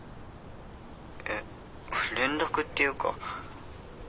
えっ連絡っていうか。